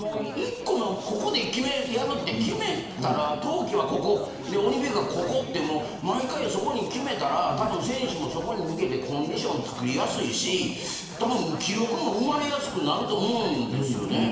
ここで決めて、やると決めたら冬季はここオリンピックをここと毎回そこに決めたら選手もそこに向けてコンディションを作りやすいし記録も生まれやすくなると思うんです。